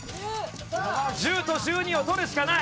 １０と１２を取るしかない！